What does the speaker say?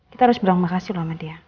kita harus bilang makasih loh sama dia